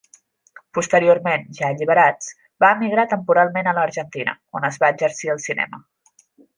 Posteriorment, ja alliberats, va emigrar temporalment a l'Argentina, on es va exercir al cinema.